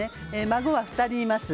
孫は２人います。